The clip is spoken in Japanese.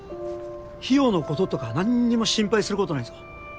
費用のこととか何にも心配することないぞ。